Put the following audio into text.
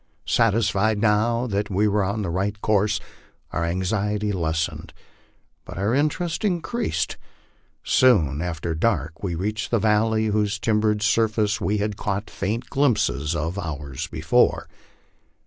Satis fied now that we were on the right course, our anxiety lessened, but our inter est increased. Soon after dark we reached the valley whose timbered surface we had caught faint glimpses of hours before.